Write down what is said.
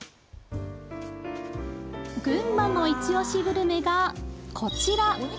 群馬のイチオシグルメがこちら。